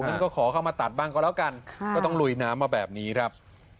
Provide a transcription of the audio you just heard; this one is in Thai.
งั้นก็ขอเข้ามาตัดบ้างก็แล้วกันก็ต้องลุยน้ำมาแบบนี้ครับ